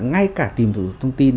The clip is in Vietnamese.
ngay cả tìm thủ thuật thông tin